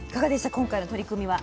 今回の取り組みは。